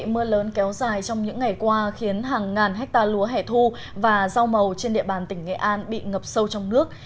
mưa lớn kéo dài trong những ngày qua khiến hàng ngàn hectare lúa hẻ thu và rau màu trên địa bàn tỉnh nghệ an bị ngập sâu trong nước